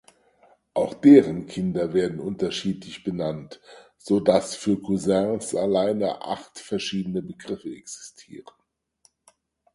Auch deren Kinder werden unterschiedlich benannt, sodass für Cousins alleine acht verschiedene Begriffe existieren.